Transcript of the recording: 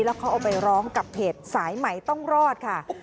แล้วเขาเอาไปร้องกับเพจสายใหม่ต้องรอดค่ะ